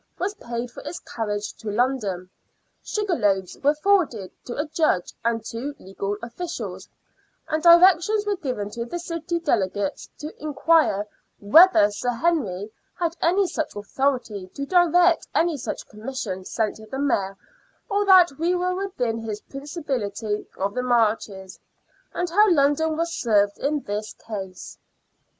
was paid for its carriage to London ; sugar loaves were forwarded to a judge and two legal officials, and directions were given to the city delegates to inquire " whether Sir Henry had any such authority to direct any such commission sent to the Mayor, or that we were within his Principality of the Marches, and how London was served in this case."